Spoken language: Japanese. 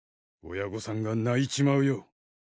親ごさんが泣いちまうよ。